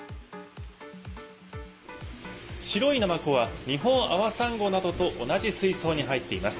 白いナマコはニホンアワサンゴなどと同じ水槽に入っています。